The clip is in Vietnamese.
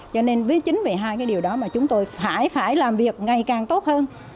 cho nên với chính vì hai cái điều đó mà chúng tôi phải làm việc ngày càng tốt hơn